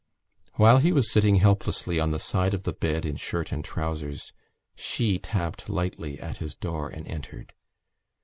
While he was sitting helplessly on the side of the bed in shirt and trousers she tapped lightly at his door and entered.